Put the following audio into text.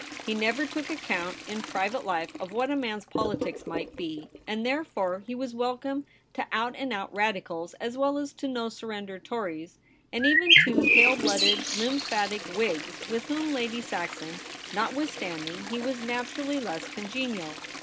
He never took account in private life of what a man's politics might be, and therefore he was wel come to out and out Radicals as well as to 'no surrender' Tories, and even to pale blooded, lymphatic Whigs, with whom — Lady Saxon notwithstanding — he was naturally less congenial.